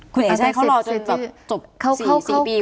คุณเอกจะให้เขารอจนจบ๔ปีวาระก็ได้หรอ